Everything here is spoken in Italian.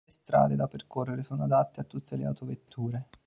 Le strade da percorrere sono adatte a tutte le autovetture.